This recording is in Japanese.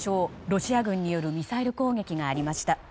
ロシア軍によるミサイル攻撃がありました。